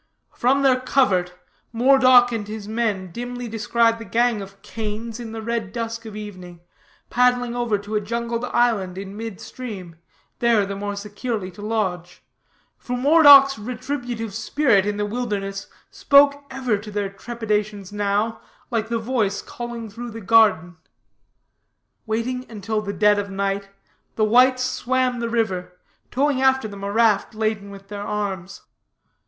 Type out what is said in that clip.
From their covert, Moredock and his men dimly descried the gang of Cains in the red dusk of evening, paddling over to a jungled island in mid stream, there the more securely to lodge; for Moredock's retributive spirit in the wilderness spoke ever to their trepidations now, like the voice calling through the garden. Waiting until dead of night, the whites swam the river, towing after them a raft laden with their arms.